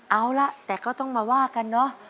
เอาล่ะแต่ก็ต้องมาว่ากันเนอะ